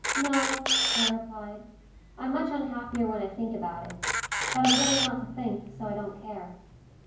"No," I replied, "I'm much unhappier when I think about it. But I'm getting not to think, so I don't care."